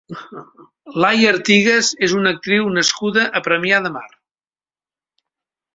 Laia Artigas és una actriu nascuda a Premià de Mar.